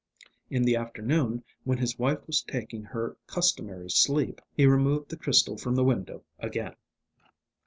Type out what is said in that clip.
In the afternoon, when his wife was taking her customary sleep, he removed the crystal from the window again.